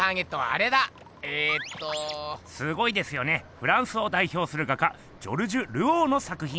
フランスをだいひょうする画家ジョルジュ・ルオーの作品。